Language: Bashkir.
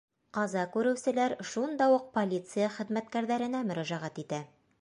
Ҡаза күреүселәр шунда уҡ полиция хеҙмәткәрҙәренә мөрәжәғәт итә.